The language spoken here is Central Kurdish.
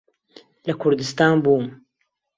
لە کوردستان بووم.